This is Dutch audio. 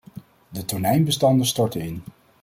De tonijnbestanden storten in.